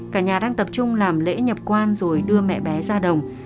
cả nhà đang tập trung làm lễ nhập quan rồi đưa mẹ bé ra đồng